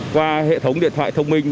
qua hệ thống điện thoại thông minh